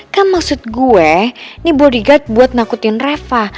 kan maksud gue ini bodyguard buat nakutin reva